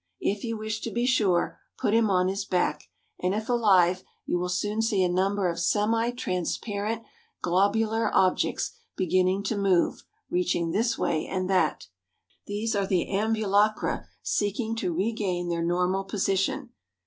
If you wish to be sure, put him on his back, and if alive you will soon see a number of semitransparent globular objects beginning to move, reaching this way and that. These are the ambulacra seeking to regain their normal position.